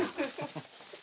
ハハハ。